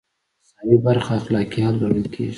مساوي برخه اخلاقي حل ګڼل کیږي.